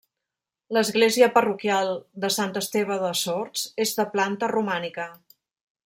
L’església parroquial de Sant Esteve de Sords és de planta romànica.